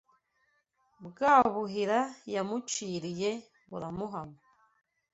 Bwa Buhira yamuciriye buramuhama